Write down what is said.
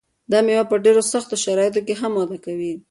دا مېوه په ډېرو سختو شرایطو کې هم وده کوي.